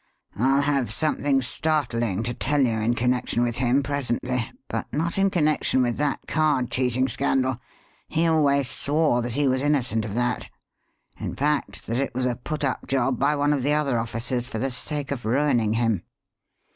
I'll have something startling to tell you in connection with him presently, but not in connection with that card cheating scandal. He always swore that he was innocent of that. In fact, that it was a put up job by one of the other officers for the sake of ruining him."